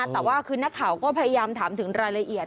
แต่ว่าคือนักข่าวก็พยายามถามถึงรายละเอียด